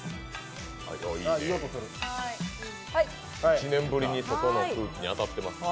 １年ぶりに外の空気に当たってます